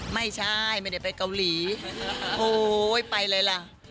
ไม่ใช่ไม่ได้ไปเกาหลีโอ้โฮไปอะไรล่ะ